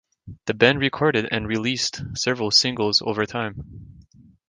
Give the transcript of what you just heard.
The band recorded and released several singles over time.